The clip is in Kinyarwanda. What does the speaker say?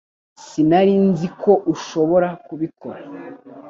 Sinari nzi ko ushobora kubikora